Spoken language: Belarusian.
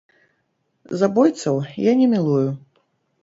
Забойцаў я не мілую!